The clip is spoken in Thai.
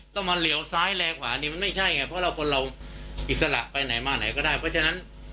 ต้องมาเหลียวซ้ายแลขวานี่มันไม่ใช่ไงเพราะเราคนเราอิสระไปไหนมาไหนก็ได้เพราะฉะนั้น